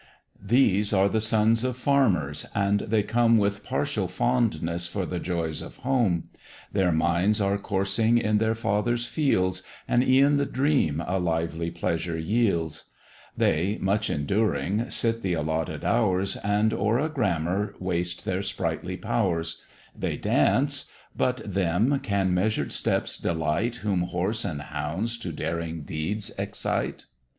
These are the sons of farmers, and they come With partial fondness for the joys of home; Their minds are coursing in their fathers' fields, And e'en the dream a lively pleasure yields; They, much enduring, sit th' allotted hours, And o'er a grammar waste their sprightly powers; They dance; but them can measured steps delight, Whom horse and hounds to daring deeds excite?